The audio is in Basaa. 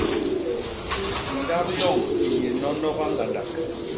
Ndap yoñ i yé nonoga ñgandak.